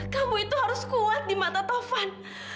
kamu itu harus kuat di mata tovan